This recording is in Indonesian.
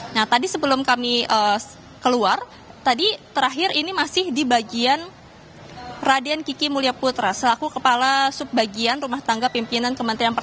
nah tadi sebelum kami keluar tadi terakhir ini masih di bagian raden kiki mulya putra selaku kepala sub bagian rumah tangga